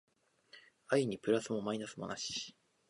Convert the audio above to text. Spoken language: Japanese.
愛にプラスもマイナスもなし